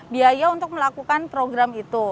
biaya untuk melakukan program itu